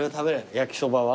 焼きそばは？